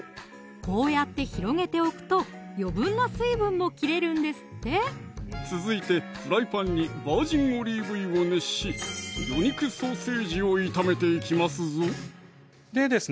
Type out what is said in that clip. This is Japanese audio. こうやって広げておくと余分な水分も切れるんですって続いてフライパンにバージンオリーブ油を熱し魚肉ソーセージを炒めていきますぞでですね